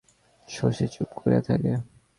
শশী চুপ করিয়া থাকে।